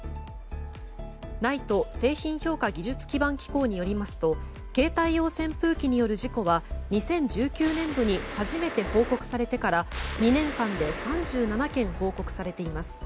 ＮＩＴＥ・製品評価技術基盤機構によりますと携帯用扇風機による事故は２０１９年度に初めて報告されてから２年間で３７件報告されています。